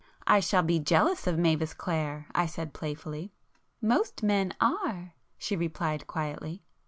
"I shall be jealous of Mavis Clare," I said playfully. "Most men are!" she replied quietly.